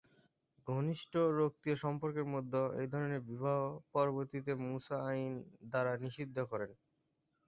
ঘনিষ্ঠ রক্তীয় সম্পর্কের মধ্যে এই ধরণের বিবাহ পরবর্তীতে মুসা আইন দ্বারা নিষিদ্ধ করেন।